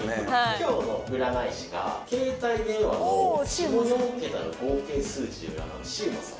今日の占い師が携帯電話の下４桁の合計数字で占うシウマさんという方。